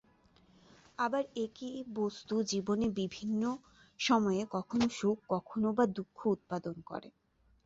আবার একই বস্তু জীবনে বিভিন্ন সময়ে কখনও সুখ, কখনও বা দুঃখ উৎপাদন করে।